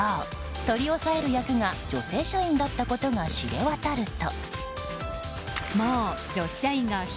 取り押さえる役が女性社員だったことが知れ渡ると。